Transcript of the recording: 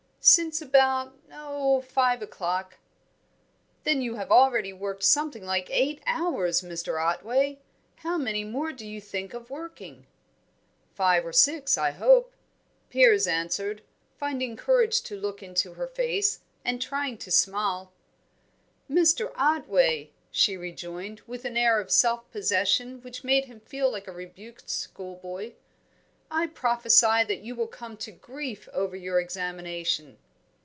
"Since about oh, five o'clock " "Then you have already worked something like eight hours, Mr. Otway. How many more do you think of working?" "Five or six, I hope," Piers answered, finding courage to look into her face, and trying to smile. "Mr. Otway," she rejoined, with an air of self possession which made him feel like a rebuked schoolboy, "I prophesy that you will come to grief over your examination."